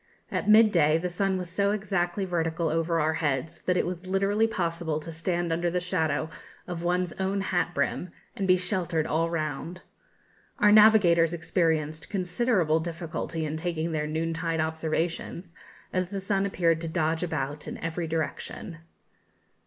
At midday the sun was so exactly vertical over our heads, that it was literally possible to stand under the shadow of one's own hatbrim, and be sheltered all round. Our navigators experienced considerable difficulty in taking their noon tide observations, as the sun appeared to dodge about in every direction.